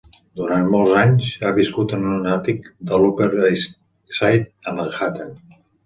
Durant molts anys, ha viscut en un àtic de l'Upper East Side a Manhattan.